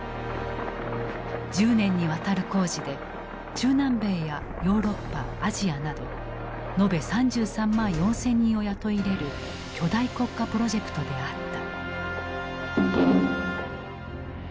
１０年にわたる工事で中南米やヨーロッパアジアなど延べ３３万４，０００人を雇い入れる巨大国家プロジェクトであった。